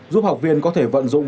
giúp học viên có thể vận dụng